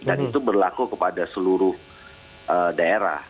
dan itu berlaku kepada seluruh daerah